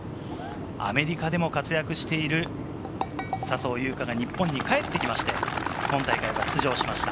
アメリカでも活躍している笹生優花が日本に帰ってきて今大会は出場しました。